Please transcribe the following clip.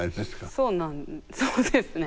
そうなんそうですね。ね。